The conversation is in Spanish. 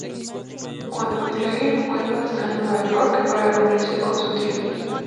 Cuando Claire vuela hasta Nueva York para reunirse con su tío.